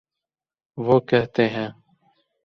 وہ کہتے ہیں۔